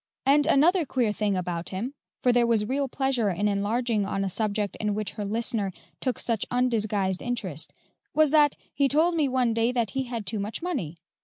And another queer thing about him" for there was real pleasure in enlarging on a subject in which her listener took such undisguised interest "was that he told me one day that he had too much money.